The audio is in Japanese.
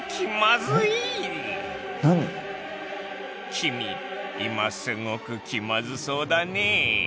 君今すごく気まずそうだね？